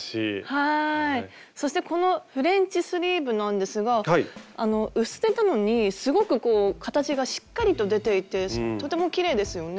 そしてこのフレンチスリーブなんですが薄手なのにすごくこう形がしっかりと出ていてとてもきれいですよね。